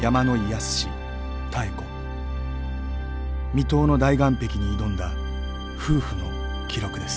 未踏の大岩壁に挑んだ夫婦の記録です。